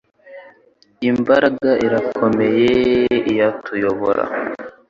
I mbaraga irakomeye iyatuyobora